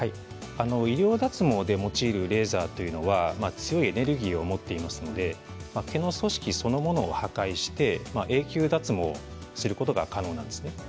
医療脱毛で用いるレーザーというのは強いエネルギーを持っていますので毛の組織そのものを破壊して永久脱毛することが可能なんですね。